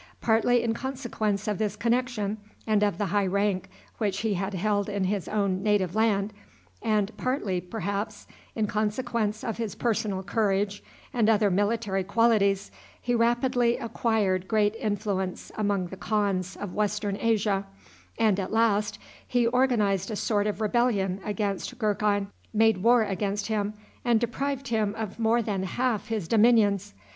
Partly in consequence of this connection and of the high rank which he had held in his own native land, and partly, perhaps, in consequence of his personal courage and other military qualities, he rapidly acquired great influence among the khans of Western Asia, and at last he organized a sort of rebellion against Gurkhan, made war against him, and deprived him of more than half his dominions.